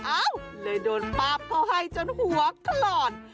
อ้าวเลยโดนป้าบเขาให้จนหัวถลอน